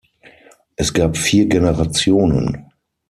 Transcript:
Es gab vier Generationen.